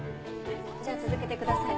じゃあ続けてください。